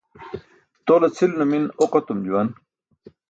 Tole cʰil numin oq etum juwan.